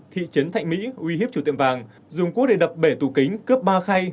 thị trấn thạnh mỹ uy hiếp chủ tiệm vàng dùng cuốc để đập bể tù kính cướp ba khay